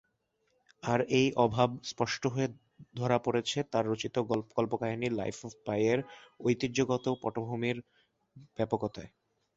আর এই প্রভাব স্পষ্ট হয়ে ধরা পড়েছে তার রচিত কল্প-কাহিনী "লাইফ অফ পাই" এর ঐতিহ্যগত পটভূমির ব্যাপকতায়।